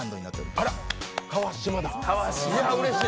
あら、川・島だ。